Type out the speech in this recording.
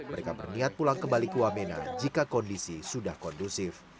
mereka berniat pulang kembali ke wamena jika kondisi sudah kondusif